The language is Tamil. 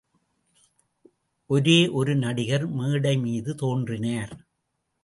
ஒரே ஒரு நடிகர் மேடை மீது தோன்றினார்.